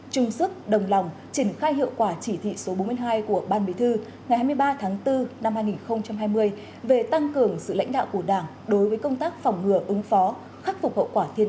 trung sức đồng lòng triển khai hiệu quả chỉ thị số bốn mươi hai của ban bí thư ngày hai mươi ba tháng bốn năm hai nghìn hai mươi về tăng cường sự lãnh đạo của đảng đối với công tác phòng ngừa ứng phó